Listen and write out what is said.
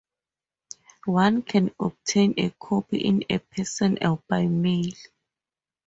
One can obtain a copy in person or by mail.